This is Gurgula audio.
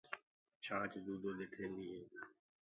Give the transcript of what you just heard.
ڇآچ دودو دي ٺينديٚ هي۔